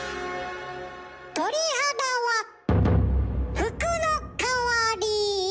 鳥肌は服の代わり。